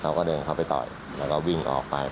เขาก็เดินเข้าไปต่อยแล้วก็วิ่งออกไป